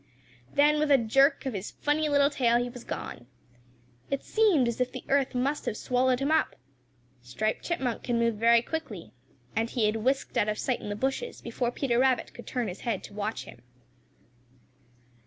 Then with a jerk of his funny little tail he was gone. It seemed as if the earth must have swallowed him up. Striped Chipmunk can move very quickly, and he had whisked out of sight in the bushes before Peter Rabbit could turn his head to watch him.